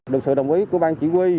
được sự đồng ý của ban